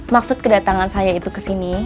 maksud kedatangan saya itu kesini